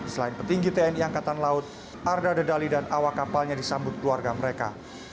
selain petinggi tni angkatan laut arda dedali dan awak kapalnya disambut keluarga mereka